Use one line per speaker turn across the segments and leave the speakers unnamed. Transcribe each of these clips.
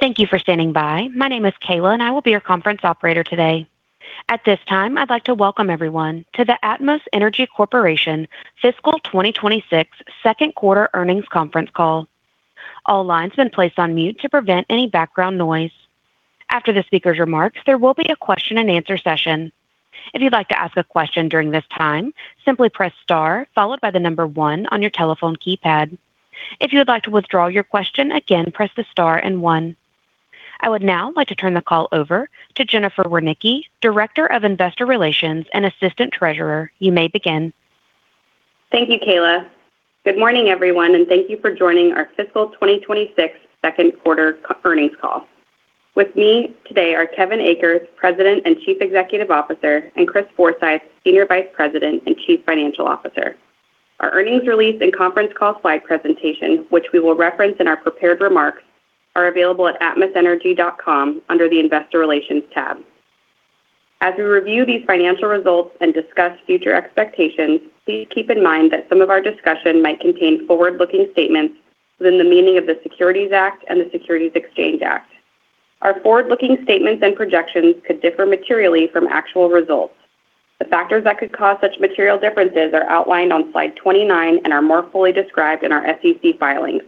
Thank you for standing by. My name is Kayla, and I will be your conference operator today. At this time, I'd like to welcome everyone to the Atmos Energy Corporation Fiscal 2026 second quarter earnings conference call. All lines have been placed on mute to prevent any background noise. After the speaker's remarks, there will be a question-and-answer session. If you'd like to ask a question during this time, simply press star followed by one on your telephone keypad. If you would like to withdraw your question, again, press the star and one. I would now like to turn the call over to Jennifer Wernecke, Director of Investor Relations and Assistant Treasurer. You may begin.
Thank you, Kayla. Good morning, everyone, and thank you for joining our fiscal 2026 2nd quarter earnings call. With me today are Kevin Akers, President and Chief Executive Officer, and Chris Forsythe, Senior Vice President and Chief Financial Officer. Our earnings release and conference call slide presentation, which we will reference in our prepared remarks, are available at atmosenergy.com under the Investor Relations tab. As we review these financial results and discuss future expectations, please keep in mind that some of our discussion might contain forward-looking statements within the meaning of the Securities Act and the Securities Exchange Act. Our forward-looking statements and projections could differ materially from actual results. The factors that could cause such material differences are outlined on Slide 29 and are more fully described in our SEC filings.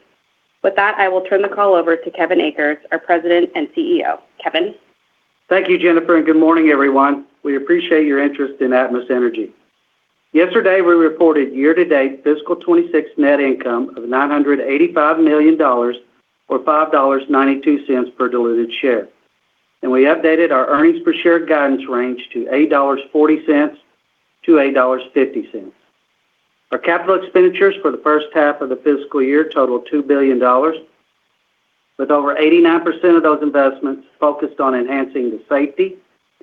With that, I will turn the call over to Kevin Akers, our President and CEO. Kevin?
Thank you, Jennifer, and good morning, everyone. We appreciate your interest in Atmos Energy. Yesterday, we reported year-to-date fiscal 2026 net income of $985 million or $5.92 per diluted share. We updated our earnings per share guidance range to $8.40-$8.50. Our capital expenditures for the first half of the fiscal year totaled $2 billion, with over 89% of those investments focused on enhancing the safety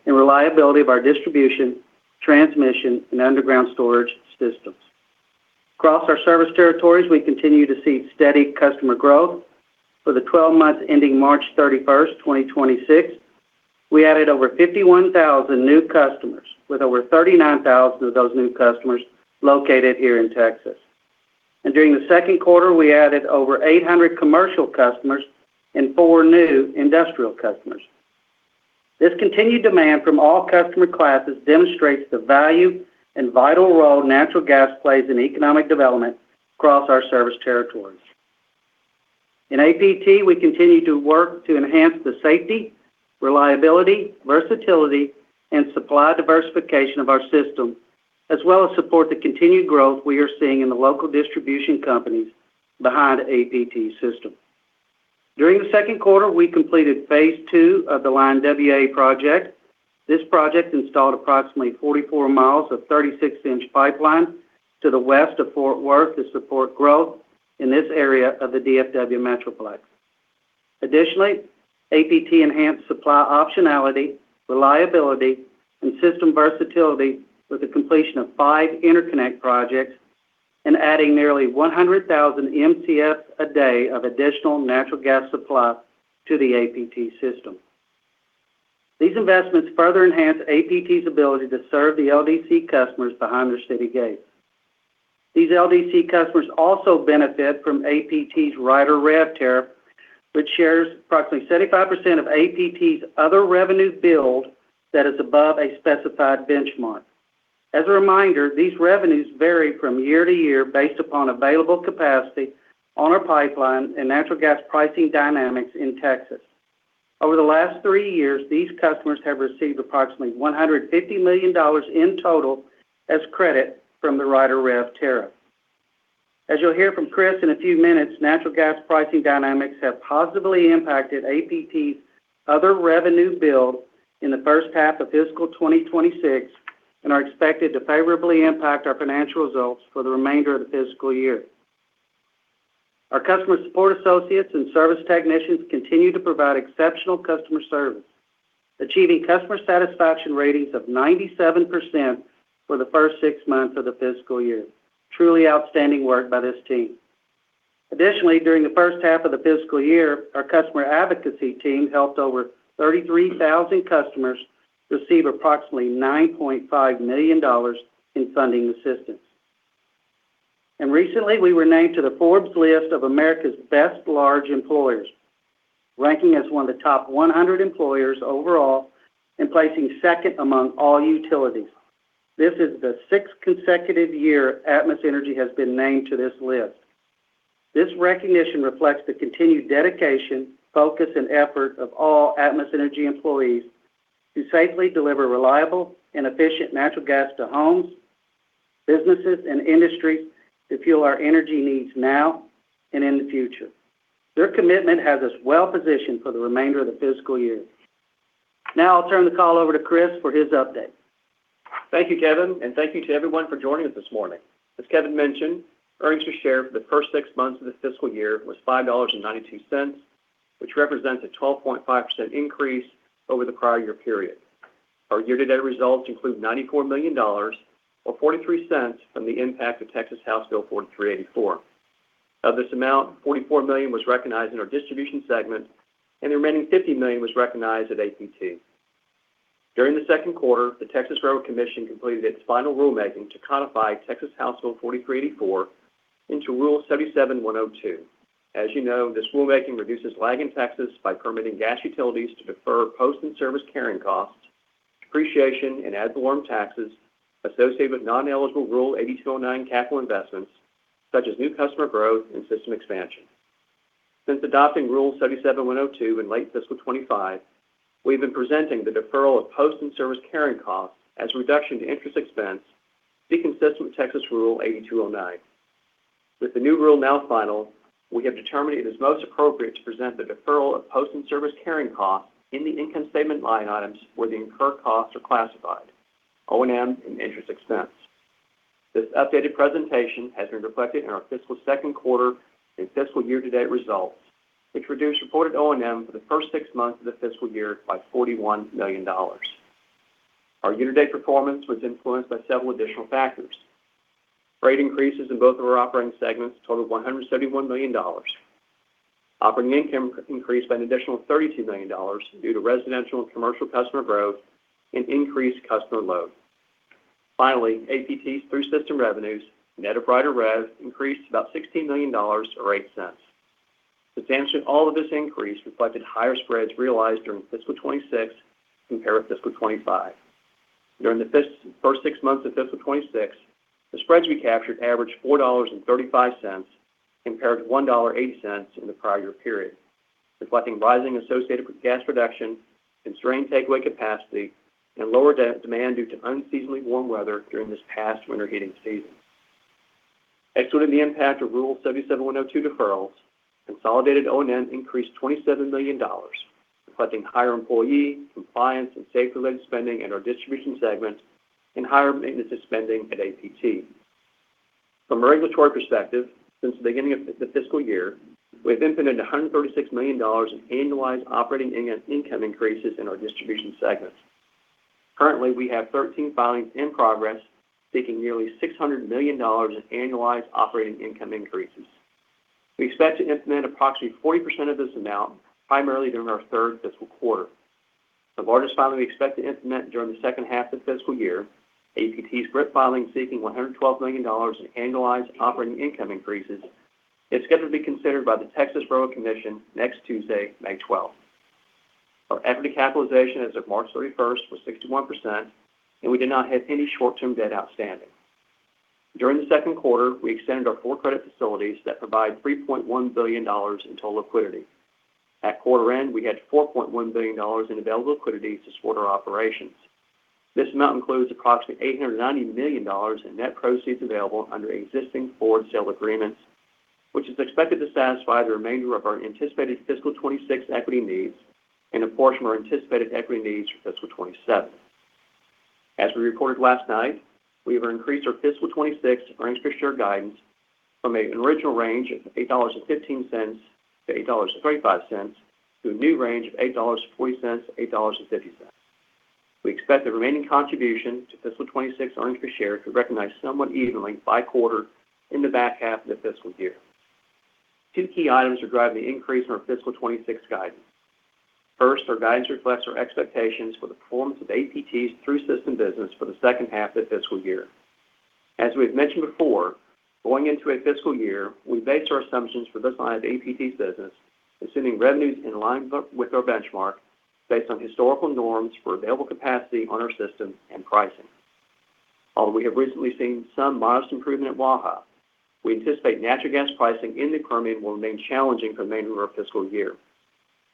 and reliability of our distribution, transmission, and underground storage systems. Across our service territories, we continue to see steady customer growth. For the 12 months ending 31 March 2026, we added over 51,000 new customers, with over 39,000 of those new customers located here in Texas. During the second quarter, we added over 800 commercial customers and four new industrial customers. This continued demand from all customer classes demonstrates the value and vital role natural gas plays in economic development across our service territories. In APT, we continue to work to enhance the safety, reliability, versatility, and supply diversification of our system, as well as support the continued growth we are seeing in the local distribution companies behind APT's system. During the second quarter, we completed phase II of the Line WA project. This project installed approximately 44 miles of 36-inch pipeline to the west of Fort Worth to support growth in this area of the DFW Metroplex. Additionally, APT enhanced supply optionality, reliability, and system versatility with the completion of five interconnect projects and adding nearly 100,000 MCFs a day of additional natural gas supply to the APT system. These investments further enhance APT's ability to serve the LDC customers behind their city gates. These LDC customers also benefit from APT's Rider REV tariff, which shares approximately 75% of APT's other revenue build that is above a specified benchmark. As a reminder, these revenues vary from year to year based upon available capacity on our pipeline and natural gas pricing dynamics in Texas. Over the last three years, these customers have received approximately $150 million in total as credit from the Rider REV tariff. As you'll hear from Chris in a few minutes, natural gas pricing dynamics have positively impacted APT's other revenue build in the first half of fiscal 2026 and are expected to favorably impact our financial results for the remainder of the fiscal year. Our customer support associates and service technicians continue to provide exceptional customer service, achieving customer satisfaction ratings of 97% for the first six months of the fiscal year. Truly outstanding work by this team. Additionally, during the first half of the fiscal year, our customer advocacy team helped over 33,000 customers receive approximately $9.5 million in funding assistance. Recently, we were named to the Forbes list of America's Best Large Employers, ranking as one of the top 100 employers overall and placing second among all utilities. This is the sixth consecutive year Atmos Energy has been named to this list. This recognition reflects the continued dedication, focus, and effort of all Atmos Energy employees to safely deliver reliable and efficient natural gas to homes, businesses, and industries to fuel our energy needs now and in the future. Their commitment has us well-positioned for the remainder of the fiscal year. Now I'll turn the call over to Chris for his update.
Thank you, Kevin, and thank you to everyone for joining us this morning. As Kevin mentioned, earnings per share for the first six months of this fiscal year was $5.92, which represents a 12.5% increase over the prior year period. Our year-to-date results include $94 million, or $0.43 from the impact of Texas House Bill 4384. Of this amount, $44 million was recognized in our distribution segment, and the remaining $50 million was recognized at APT. During the second quarter, the Railroad Commission of Texas completed its final rulemaking to codify Texas House Bill 4384 into Rule 77102. As you know, this rulemaking reduces lag in Texas by permitting gas utilities to defer post and service carrying costs, depreciation, and ad valorem taxes associated with non-eligible Rule 8209 capital investments, such as new customer growth and system expansion. Since adopting Rule 77102 in late fiscal 2025, we've been presenting the deferral of post and service carrying costs as a reduction to interest expense be consistent with Texas Rule 8209. With the new rule now final, we have determined it is most appropriate to present the deferral of post and service carrying costs in the income statement line items where the incurred costs are classified, O&M and interest expense. This updated presentation has been reflected in our fiscal second quarter and fiscal year-to-date results, which reduced reported O&M for the first six months of the fiscal year by $41 million. Our year-to-date performance was influenced by several additional factors. Rate increases in both of our operating segments totaled $171 million. Operating income increased by an additional $32 million due to residential and commercial customer growth and increased customer load. Finally, APT's through-system revenues, net of Rider REV, increased about $16 million, or $0.08. Substantially all of this increase reflected higher spreads realized during fiscal 2026 compared to fiscal 2025. During the first six months of fiscal 2026, the spreads we captured averaged $4.35 compared to $1.80 in the prior year period, reflecting rising associated with gas production, constrained takeaway capacity, and lower demand due to unseasonably warm weather during this past winter heating season. Excluding the impact of Rule 77102 deferrals, consolidated O&M increased $27 million, reflecting higher employee, compliance, and safety-related spending in our distribution segment and higher maintenance spending at APT. From a regulatory perspective, since the beginning of the fiscal year, we've implemented $136 million in annualized operating income increases in our distribution segment. Currently, we have 13 filings in progress seeking nearly $600 million in annualized operating income increases. We expect to implement approximately 40% of this amount primarily during our third fiscal quarter. The largest filing we expect to implement during the second half of the fiscal year, APT's GRIP filing seeking $112 million in annualized operating income increases, is scheduled to be considered by the Railroad Commission of Texas next Tuesday, 12 May. Our equity capitalization as of 31 March was 61%, and we did not have any short-term debt outstanding. During the second quarter, we extended our four credit facilities that provide $3.1 billion in total liquidity. At quarter-end, we had $4.1 billion in available liquidity to support our operations. This amount includes approximately $890 million in net proceeds available under existing forward sale agreements, which is expected to satisfy the remainder of our anticipated fiscal 2026 equity needs and a portion of our anticipated equity needs for fiscal 2027. As we reported last night, we have increased our fiscal 2026 earnings per share guidance from an original range of $8.15-$8.35 to a new range of $8.40-$8.50. We expect the remaining contribution to fiscal 2026 earnings per share to recognize somewhat evenly by quarter in the back half of the fiscal year. Two key items are driving the increase in our fiscal 2026 guidance. First, our guidance reflects our expectations for the performance of APT's through-system business for the second half of the fiscal year. As we have mentioned before, going into a fiscal year, we based our assumptions for this line of APT's business, assuming revenues in line with our benchmark based on historical norms for available capacity on our system and pricing. Although we have recently seen some modest improvement at Waha, we anticipate natural gas pricing in the Permian will remain challenging for the remainder of our fiscal year.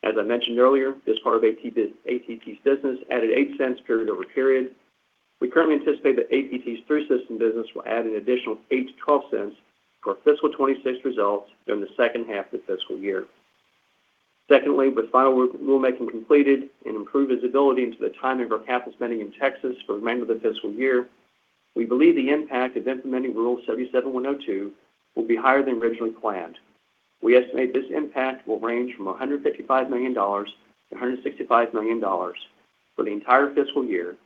As I mentioned earlier, this part of APT's business added $0.08 period-over-period. We currently anticipate that APT's through-system business will add an additional $0.08-$0.12 to our fiscal 2026 results during the second half of the fiscal year. Secondly, with final rulemaking completed and improved visibility into the timing of our capital spending in Texas for the remainder of the fiscal year, we believe the impact of implementing Rule 77102 will be higher than originally planned. We estimate this impact will range from $155 million-$165 million for the entire fiscal year,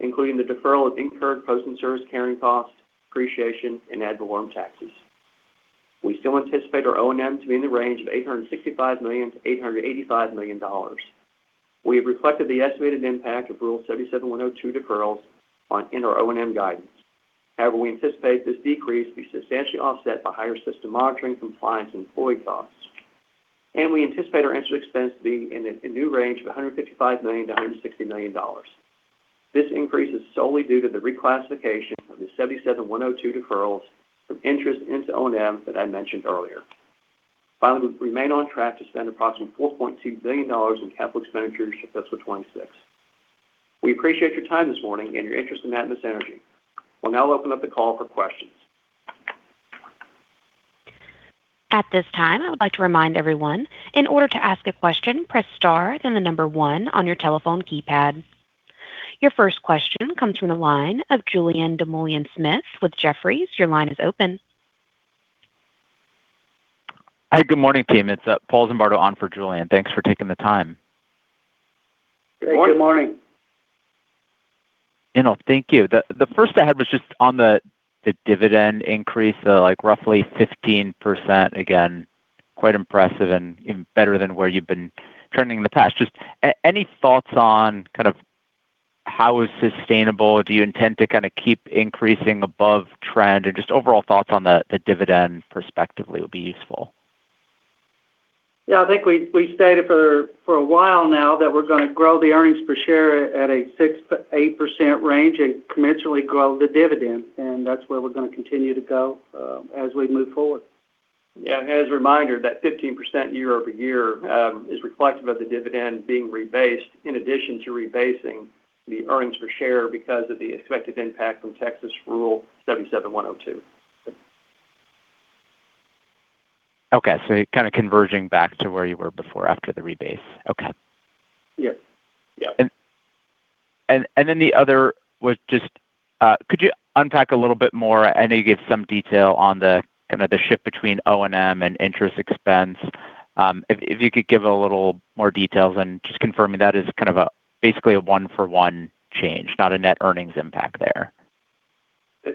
including the deferral of incurred post and service carrying costs, depreciation, and ad valorem taxes. We still anticipate our O&M to be in the range of $865 million-$885 million. We have reflected the estimated impact of Rule 77102 deferrals in our O&M guidance. However, we anticipate this decrease to be substantially offset by higher system monitoring, compliance, and employee costs. We anticipate our interest expense to be in a new range of $155 million-$160 million. This increase is solely due to the reclassification of the 77102 deferrals from interest into O&M that I mentioned earlier. Finally, we remain on track to spend approximately $4.2 billion in capital expenditures in fiscal 2026. We appreciate your time this morning and your interest in Atmos Energy. We'll now open up the call for questions.
Your first question comes from the line of Julien Dumoulin-Smith with Jefferies.
Hi. Good morning, team. It's Paul Zimbardo on for Julien. Thanks for taking the time.
Good morning.
You know, thank you. The first I had was just on the dividend increase, so like roughly 15%. Again, quite impressive and even better than where you've been trending in the past. Just any thoughts on kind of how is sustainable, do you intend to kind of keep increasing above trend? Just overall thoughts on the dividend perspectively would be useful.
Yeah. I think we stated for a while now that we're gonna grow the earnings per share at a 6%-8% range and commensurately grow the dividend, and that's where we're gonna continue to go as we move forward.
Yeah. As a reminder, that 15% year-over-year is reflective of the dividend being rebased in addition to rebasing the earnings per share because of the expected impact from Texas Rule 77102.
Okay. You're kind of converging back to where you were before after the rebase. Okay.
Yep. Yep.
The other was just, could you unpack a little bit more? I know you gave some detail on the kind of the shift between O&M and interest expense. If you could give a little more details and just confirming that is kind of a basically a one-for-one change, not a net earnings impact there.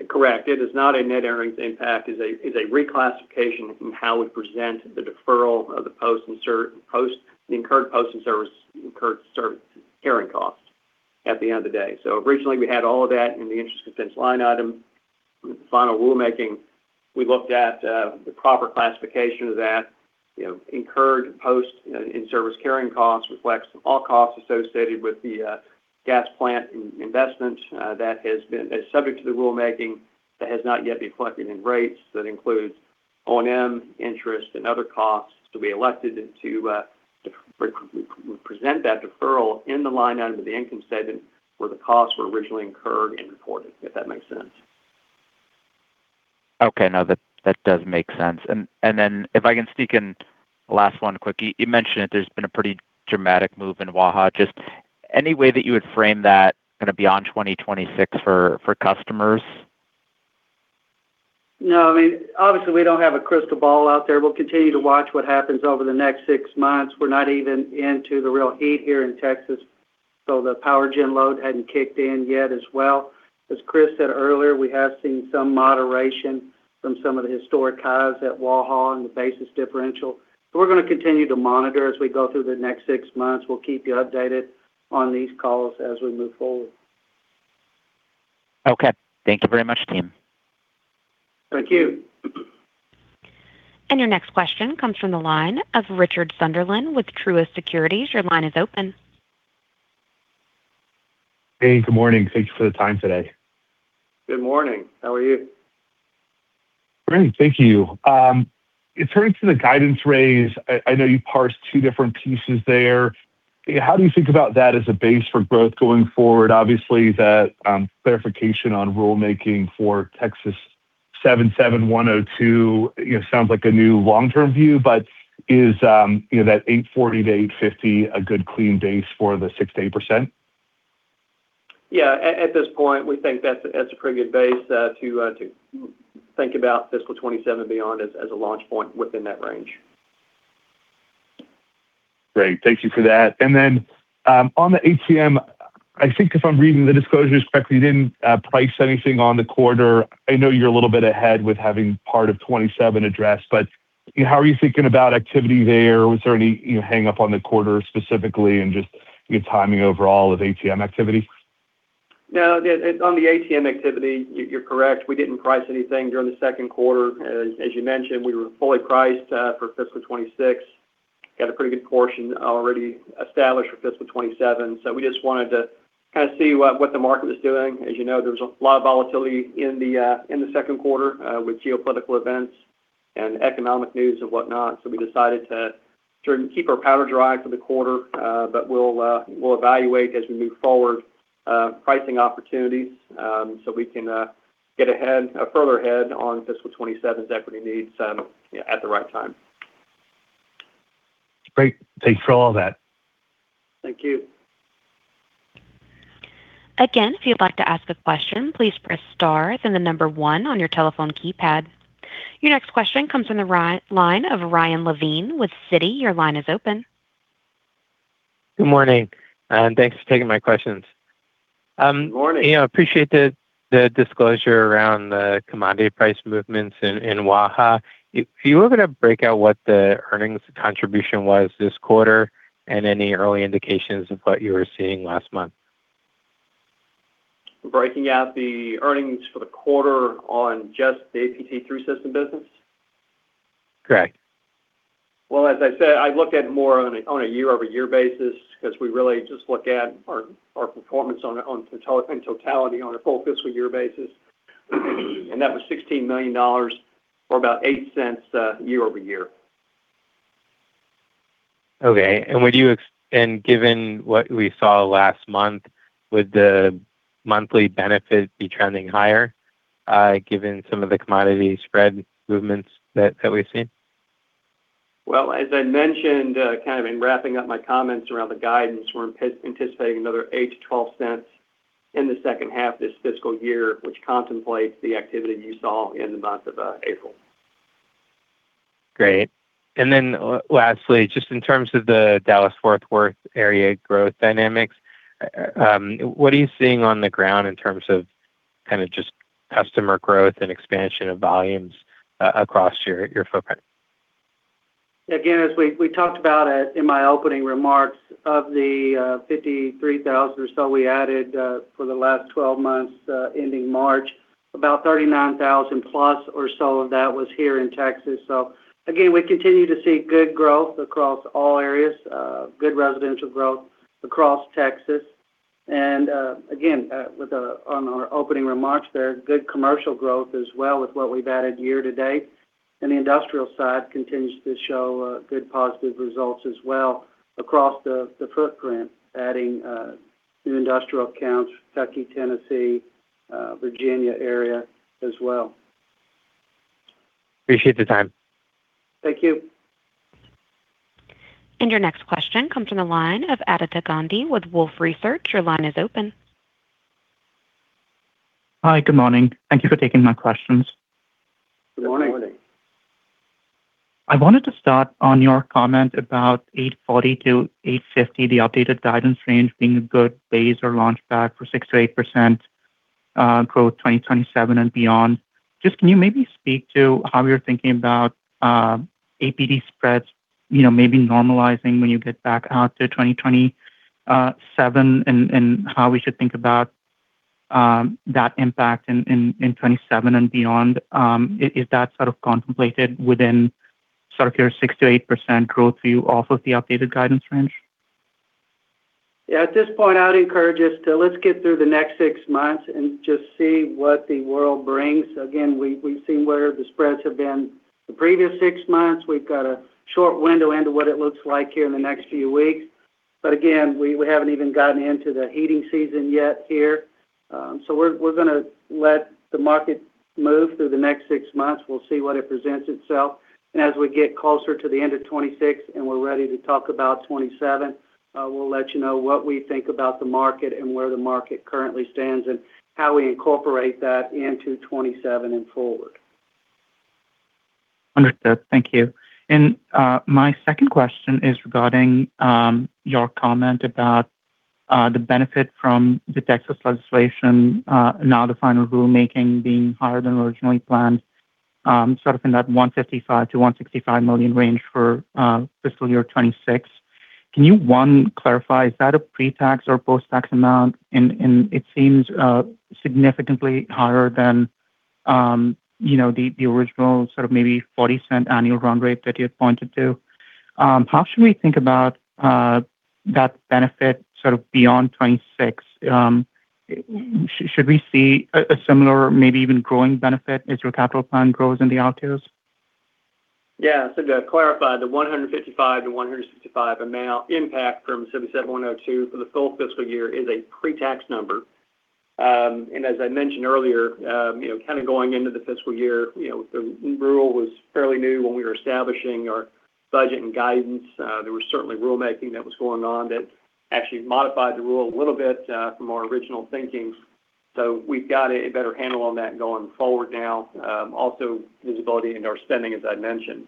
Correct. It is not a net earnings impact. It's a reclassification in how we present the deferral of the incurred service carrying cost at the end of the day. Originally, we had all of that in the interest expense line item. With the final rulemaking, we looked at the proper classification of that. You know, incurred post and service carrying costs reflects all costs associated with the gas plant in-investment that has been subject to the rulemaking that has not yet been collected in rates. That includes O&M, interest, and other costs to be elected to re-present that deferral in the line item of the income statement where the costs were originally incurred and reported, if that makes sense.
Okay. No, that does make sense. If I can sneak in last one quick. You mentioned that there's been a pretty dramatic move in Waha. Just any way that you would frame that kind of beyond 2026 for customers?
No. I mean, obviously, we don't have a crystal ball out there. We'll continue to watch what happens over the next six months. We're not even into the real heat here in Texas, so the power gen load hadn't kicked in yet as well. As Chris said earlier, we have seen some moderation from some of the historic highs at Waha and the basis differential. We're gonna continue to monitor as we go through the next six months. We'll keep you updated on these calls as we move forward.
Okay. Thank you very much, team.
Thank you.
Your next question comes from the line of Richard Sunderland with Truist Securities. Your line is open.
Hey, good morning. Thank you for the time today.
Good morning. How are you?
Great. Thank you. In turning to the guidance raise, I know you parsed two different pieces there. How do you think about that as a base for growth going forward? Obviously, that clarification on rulemaking for Texas Rule 77102, you know, sounds like a new long-term view. But is, you know, that $8.40 to $8.50 a good clean base for the 6%-8%?
Yeah. At this point, we think that's a pretty good base to think about fiscal 2027 and beyond as a launch point within that range.
Great. Thank you for that. On the ATM, I think if I'm reading the disclosure correctly, you didn't price anything on the quarter. I know you're a little bit ahead with having part of 2027 addressed, you know, how are you thinking about activity there? Was there any, you know, hang up on the quarter specifically and just your timing overall of ATM activity?
No. On the ATM activity, you're correct. We didn't price anything during the second quarter. As you mentioned, we were fully priced for fiscal 2026. Got a pretty good portion already established for fiscal 2027. We just wanted to kind of see what the market was doing. As you know, there was a lot of volatility in the second quarter with geopolitical events and economic news and whatnot. We decided to sort of keep our powder dry for the quarter. We'll evaluate as we move forward pricing opportunities so we can get ahead further ahead on fiscal 2027's equity needs at the right time.
Great. Thank you for all that.
Thank you.
Again, if you'd like to ask a question, please press star then the one on your telephone keypad. Your next question comes from the line of Ryan Levine with Citi. Your line is open.
Good morning, and thanks for taking my questions.
Good morning.
You know, appreciate the disclosure around the commodity price movements in Waha. If you were gonna break out what the earnings contribution was this quarter and any early indications of what you were seeing last month?
Breaking out the earnings for the quarter on just the APT3 system business?
Correct.
Well, as I said, I look at it more on a year-over-year basis because we really just look at our performance on teleport totality on a full fiscal year basis. That was $16 million, or about $0.08, year-over-year.
Okay. Given what we saw last month, would the monthly benefit be trending higher, given some of the commodity spread movements that we've seen?
Well, as I mentioned, kind of in wrapping up my comments around the guidance, we're anticipating another $0.08-$0.12 in the second half this fiscal year, which contemplates the activity you saw in the month of April.
Great. Lastly, just in terms of the Dallas-Fort Worth area growth dynamics, what are you seeing on the ground in terms of kind of just customer growth and expansion of volumes across your footprint?
Again, as we talked about in my opening remarks of the 53,000 or so we added for the last 12 months ending March, about 39,000+ or so of that was here in Texas. Again, we continue to see good growth across all areas, good residential growth across Texas. Again, with on our opening remarks there, good commercial growth as well with what we've added year to date. The industrial side continues to show good positive results as well across the footprint, adding new industrial accounts, Kentucky, Tennessee, Virginia area as well.
Appreciate the time.
Thank you.
Your next question comes from the line of Aditya Darshan Gandhi with Wolfe Research. Your line is open.
Hi. Good morning. Thank you for taking my questions.
Good morning.
I wanted to start on your comment about $8.40-$8.50, the updated guidance range being a good base or launchpad for 6%-8% growth 2027 and beyond. Just can you maybe speak to how you're thinking about APT spreads, you know, maybe normalizing when you get back out to 2027 and how we should think about that impact in 27 and beyond? Is that sort of contemplated within sort of your 6%-8% growth view off of the updated guidance range?
Yeah. At this point, I would encourage us to let's get through the next six months and just see what the world brings. We've seen where the spreads have been the previous six months. We've got a short window into what it looks like here in the next few weeks. We haven't even gotten into the heating season yet here. We're gonna let the market move through the next six months. We'll see what it presents itself. As we get closer to the end of 2026 and we're ready to talk about 2027, we'll let you know what we think about the market and where the market currently stands and how we incorporate that into 2027 and forward.
Understood. Thank you. My second question is regarding your comment about the benefit from the Texas legislation, now the final rulemaking being higher than originally planned, sort of in that $155 million-$165 million range for FY 2026. Can you, one, clarify, is that a pre-tax or post-tax amount? It seems significantly higher than, you know, the original sort of maybe $0.40 annual run rate that you had pointed to. How should we think about that benefit sort of beyond 2026? Should we see a similar, maybe even growing benefit as your capital plan grows in the out years?
Yeah. To clarify, the $155-$165 amount impact from Rule 77102 for the full fiscal year is a pre-tax number. As I mentioned earlier, you know, kind of going into the fiscal year, you know, the rule was fairly new when we were establishing our budget and guidance. There was certainly rulemaking that was going on that actually modified the rule a little bit from our original thinking. We've got a better handle on that going forward now. Also, visibility into our spending, as I mentioned.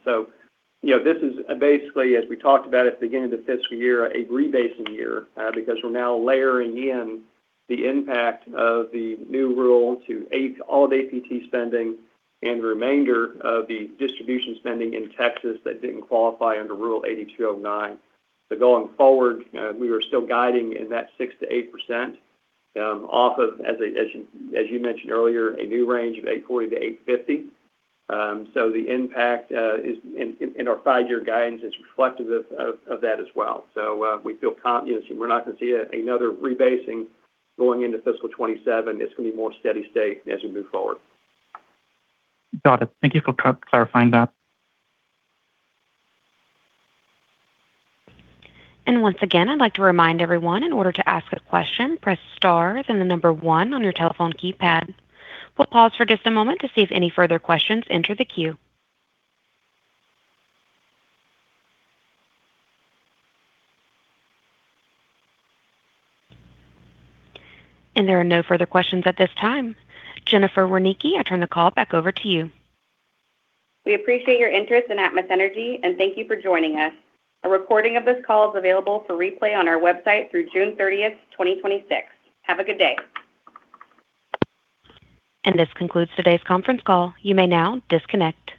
You know, this is basically, as we talked about at the beginning of the fiscal year, a rebasing year because we're now layering in the impact of the new rule all of APT spending and the remainder of the distribution spending in Texas that didn't qualify under Rule 8209. Going forward, we were still guiding in that 6%-8% off of as you mentioned earlier, a new range of $8.40-$8.50. The impact is in our five-year guidance is reflective of that as well. We feel you know, we're not gonna see another rebasing going into fiscal 2027. It's gonna be more steady state as we move forward.
Got it. Thank you for clarifying that.
Once again, I'd like to remind everyone, in order to ask a question, press star, then the number 1 on your telephone keypad. We'll pause for just a moment to see if any further questions enter the queue. There are no further questions at this time. Jennifer Wernecke, I turn the call back over to you.
We appreciate your interest in Atmos Energy. Thank you for joining us. A recording of this call is available for replay on our website through 30 June 2026. Have a good day.
This concludes today's conference call. You may now disconnect.